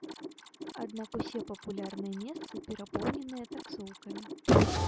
Аднак усе папулярныя месцы перапоўненыя таксоўкамі.